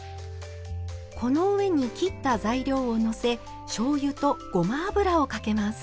この上に切った材料をのせしょうゆとごま油をかけます。